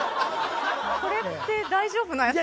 これって大丈夫なやつかな。